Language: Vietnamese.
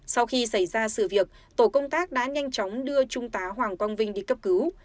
sau khi xảy ra sự việc tổ công tác đã nhanh chóng đưa trung tá hoàng quang vinh đi cấp cứu